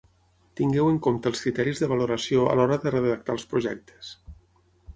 Tingueu en compte els criteris de valoració a l'hora de redactar els projectes.